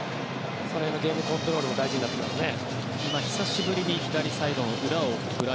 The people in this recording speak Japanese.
その辺のゲームコントロールも大事になってきますね。